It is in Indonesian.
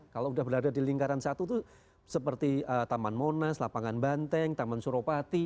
kalau sudah berada di lingkaran satu itu seperti taman monas lapangan banteng taman suropati